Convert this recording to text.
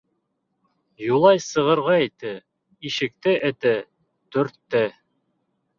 Юлай сығырға итә, ишекте этә, төртә.